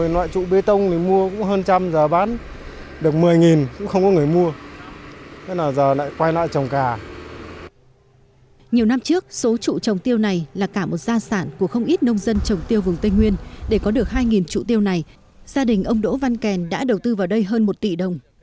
nhiều năm trước số trụ trồng tiêu này là cả một gia sản của không ít nông dân trồng tiêu vùng tây nguyên để có được hai trụ tiêu này gia đình ông đỗ văn kèn đã đầu tư vào đây hơn một tỷ đồng